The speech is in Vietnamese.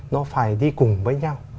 nó phải đi cùng với nhau